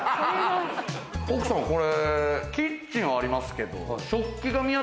奥様これキッチンはありますけど。